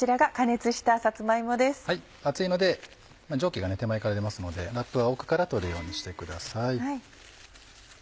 熱いので蒸気が手前から出ますのでラップは奥から取るようにしてください。